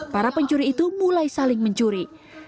para pencuri itu mulai saling mencuri